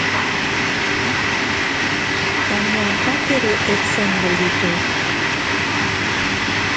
Baina bat ere ez zen gelditu.